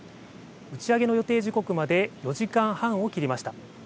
打ち上げの予定時刻まで４時間半を切りました。